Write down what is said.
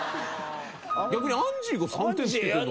逆にアンジーが３点つけてるのが。